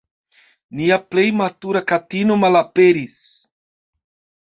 Nia plej matura katino malaperis.